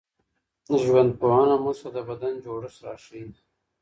ژوندپوهنه موږ ته د بدن جوړښت راښيي.